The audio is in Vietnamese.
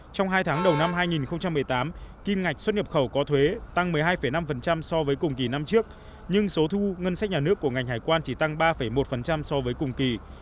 trong hai tháng đầu năm hai nghìn một mươi tám kim ngạch xuất nhập khẩu có thuế tăng một mươi hai năm so với cùng kỳ năm trước nhưng số thu ngân sách nhà nước của ngành hải quan chỉ tăng ba một so với cùng kỳ